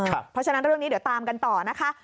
เพราะฉะนั้นเรื่องนี้เดี๋ยวตามกันต่อนะคะ